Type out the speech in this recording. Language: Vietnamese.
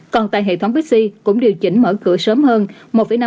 còn tại hệ thống pepsi cũng điều chỉnh mở cửa sớm hơn